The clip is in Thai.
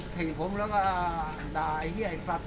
ถี่ผมแล้วก็ด่าเฮียไอ้ศัตรี้